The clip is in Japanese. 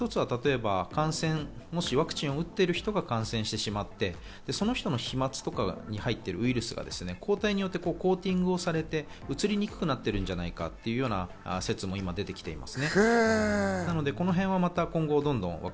これ、いろいろ理由は言われていますけど、一つは例えば、もしワクチンを打ってる人が感染して、その人の飛沫とかに入っているウイルスが抗体によってコーティングされて、うつりにくくなっているんじゃないかというような説も今、出てきています。